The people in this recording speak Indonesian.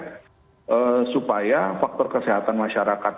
ya supaya faktor kesehatan masyarakat